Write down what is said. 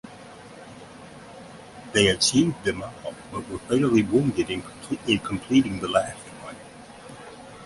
They achieved them all, but were fatally wounded in completing the last one.